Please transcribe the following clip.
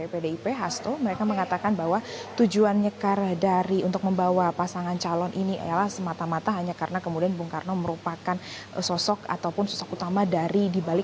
pdip hasto mereka mengatakan bahwa tujuan nyekar dari untuk membawa pasangan calon ini adalah semata mata hanya karena kemudian bung karno merupakan sosok ataupun sosok utama dari di bali